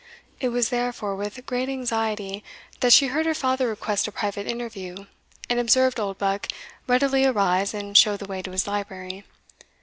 It was therefore with great anxiety that she heard her father request a private interview, and observed Oldbuck readily arise and show the way to his library.